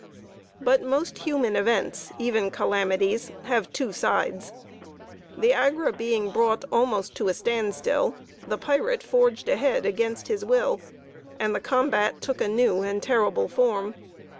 But most human events, even calamities, have two sides. The Agra being brought almost to a standstill, the pirate forged ahead against his will, and the combat took a new and terrible form.